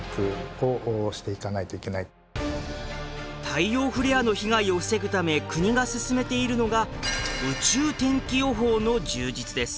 太陽フレアの被害を防ぐため国が進めているのが宇宙天気予報の充実です。